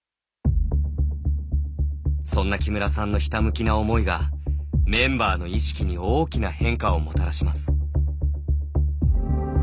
そんな木村さんのひたむきな思いがメンバーの意識に大きな変化をもたらします。